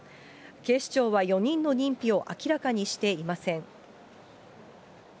警視庁は４人の認否を明らかにしていません。